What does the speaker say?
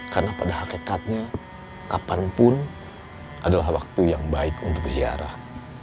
karena pada hakikatnya kapanpun adalah waktu yang baik untuk ziarah